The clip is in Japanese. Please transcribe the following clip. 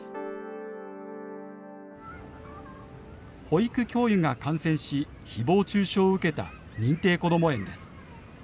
保育教諭が感染しひぼう中傷を受けた認定こども園です。